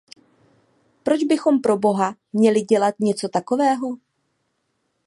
Proč bychom proboha měli dělat něco takového?